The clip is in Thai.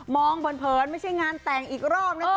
เผินไม่ใช่งานแต่งอีกรอบนะจ๊